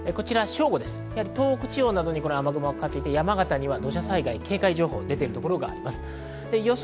東北地方などに雨雲がかかっていて山形には土砂災害警戒情報が出ているところがあります。